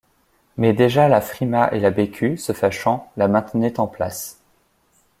Mais déjà la Frimat et la Bécu, se fâchant, la maintenaient en place.